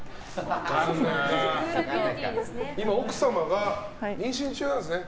今、奥様が妊娠中なんですね。